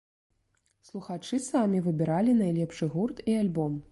Слухачы самі выбіралі найлепшы гурт і альбом.